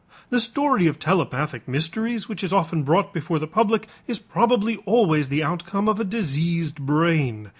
The story of telepathic mysteries which is often brought before the public is probably always the outcome of a diseased brain.